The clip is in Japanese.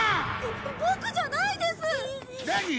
ボボクじゃないです。何！？